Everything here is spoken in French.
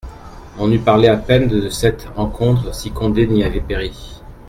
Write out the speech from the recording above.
On eût parlé à peine de cette rencontre si Condé n'y avait péri.